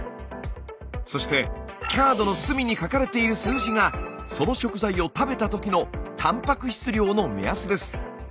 そしてカードの隅に書かれている数字がその食材を食べたときのたんぱく質量の目安です。